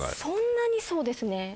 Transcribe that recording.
そんなにそうですね。